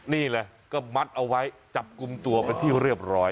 นี่เลยก็มัดเอาไว้จับกลุ่มตัวเป็นที่เรียบร้อย